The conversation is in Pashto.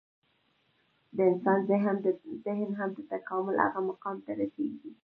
د انسان ذهن هم د تکامل هغه مقام ته رسېږي.